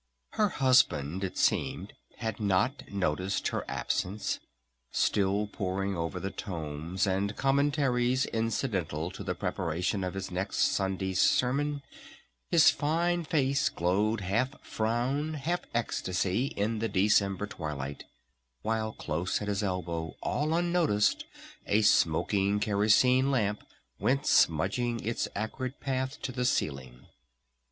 Her husband, it seemed, had not noticed her absence. Still poring over the tomes and commentaries incidental to the preparation of his next Sunday's sermon his fine face glowed half frown, half ecstasy, in the December twilight, while close at his elbow all unnoticed a smoking kerosine lamp went smudging its acrid path to the ceiling.